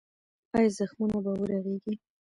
ایا زخمونه به ورغېږي؟